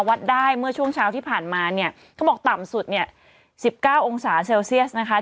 วัดได้เมื่อช่วงเช้าที่ผ่านมาเนี่ยเขาบอกต่ำสุดเนี่ย๑๙องศาเซลเซียสนะคะ